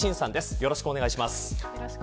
よろしくお願いします。